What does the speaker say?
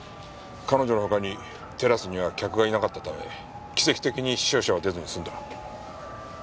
彼女の他にテラスには客がいなかったため奇跡的に死傷者は出ずに済んだ。